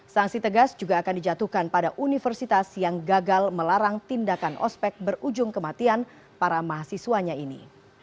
sanksi tegas juga akan dijatuhkan pada universitas yang gagal melarang tindakan ospek berujung kematian para mahasiswanya ini